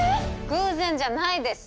偶然じゃないです。